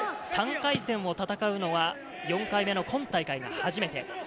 ３回戦を戦うのは、４回目の今大会が初めて。